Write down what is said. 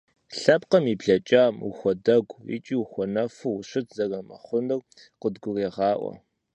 Лъэпкъым и блэкӀам ухуэдэгуу икӀи ухуэнэфу ущыт зэрымыхъунур къыдгурегъаӀуэ.